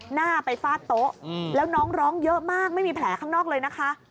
หน้าไปฟาดโต๊ะแล้วน้องร้องเยอะมากไม่มีแผลข้างนอกเลยนะคะ